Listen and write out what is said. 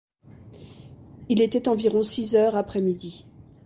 Il était environ six heures après midi.